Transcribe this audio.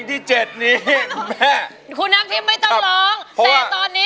นะฮะ